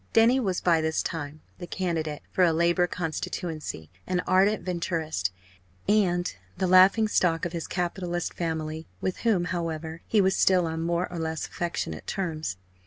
Denny was by this time the candidate for a Labour constituency, an ardent Venturist, and the laughing stock of his capitalist family, with whom, however, he was still on more or less affectionate terms.